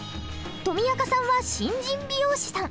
とみあかさんは新人美容師さん。